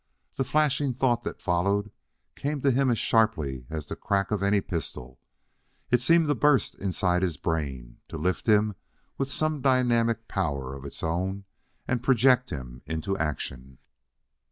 The flashing thought that followed came to him as sharply as the crack of any pistol. It seemed to burst inside his brain, to lift him with some dynamic power of its own and project him into action.